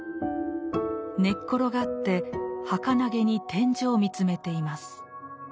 寝っ転がってはかなげに天井を見つめています。